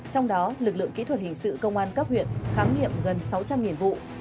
trong đó lực lượng kỹ thuật hình sự công an cấp huyện khám nghiệm gần sáu trăm linh vụ